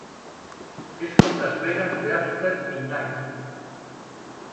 És com Las Vegas d'After Midnite.